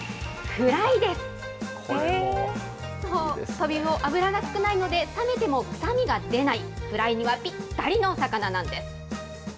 とびうお、脂が少ないので、冷めても臭みが出ない、フライにはぴったりの魚なんです。